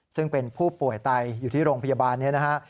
ซึ่งเป็นผู้ป่วยไตอยู่ที่โรงพยาบาลนี้นะฮะ